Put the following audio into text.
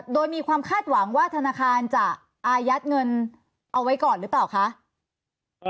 โดยมีความคาดหวังว่าธนาคารจะอายัดเงินเอาไว้ก่อนหรือเปล่าคะ